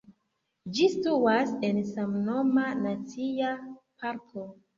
Ĝi situas en samnoma nacia parko.